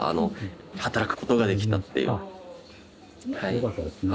よかったですね。